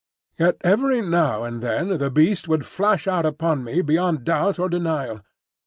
Yet every now and then the beast would flash out upon me beyond doubt or denial.